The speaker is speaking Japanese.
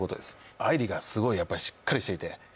愛梨がすごい、しっかりしてて。